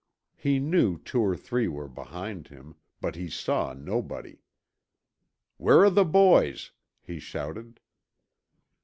He knew two or three were behind him, but he saw nobody. "Where are the boys?" he shouted.